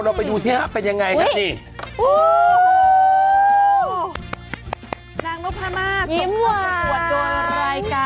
เราไปดูที่ไหนอากเป็นยังไงกันนี่